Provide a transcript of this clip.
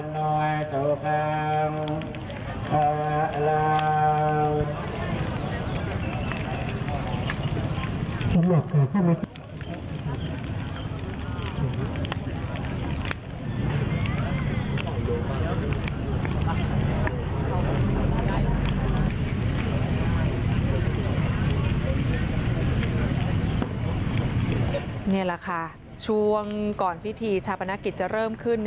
นี่แหละค่ะช่วงก่อนพิธีชาปนกิจจะเริ่มขึ้น